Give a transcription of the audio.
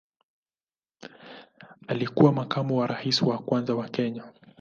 Alikuwa makamu wa rais wa kwanza wa Kenya.